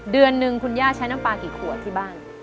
เดือนหนึ่งคุณย่าใช้น้ำปลากี่ขวดที่บ้าน